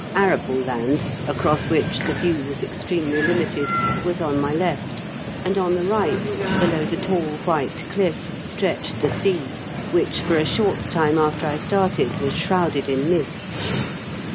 Arable land, across which the view was extremely limited, was on my left, and on the right, below the tall white cliflf, stretched the sea, which for a short time after I started was shrouded in mist.